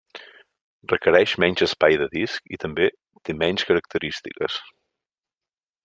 Requereix menys espai de disc i també té menys característiques.